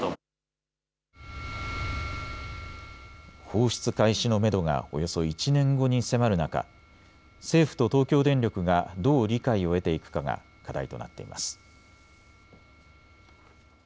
放出開始のめどがおよそ１年後に迫る中、政府と東京電力がどう理解を得ていくかが課題となっています。